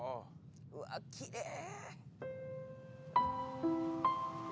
うわっきれい！